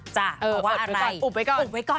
จ้าเพราะว่าอะไรอุบไว้ก่อน